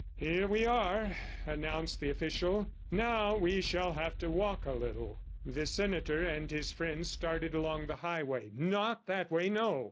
"Here we are," announced the official. "Now we shall have to walk a little." The senator and his friend started along the highway. "Not that way, no!"